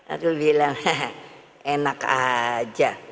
aku bilang enak aja